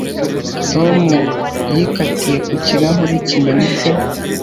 Tom yikatiye ku kirahure kimenetse